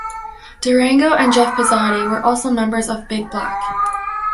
Durango and Jeff Pezzati were also members of Big Black.